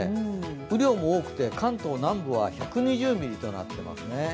雨量も多くて関東南部は１２０ミリとなっていますね。